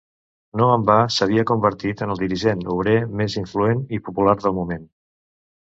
No en va, s'havia convertit en el dirigent obrer més influent i popular del moment.